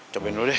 cobain dulu deh